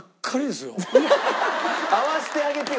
合わせてあげてよ